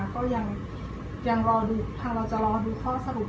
ก็ยังรอดูทางเราจะรอดูข้อสรุป